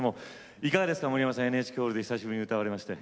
いかがですか、ＮＨＫホールで久しぶりに歌われました。